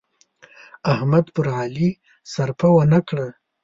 احمد پر علي سرپه و نه کړه.